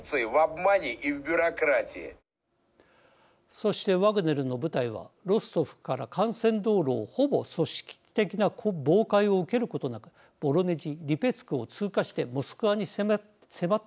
そしてワグネルの部隊はロストフから幹線道路をほぼ組織的な妨害を受けることなくボロネジリペツクを通過してモスクワに迫っていったのでした。